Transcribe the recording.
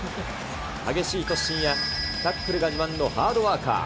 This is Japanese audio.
激しい突進やタックルが自慢のハードワーカー。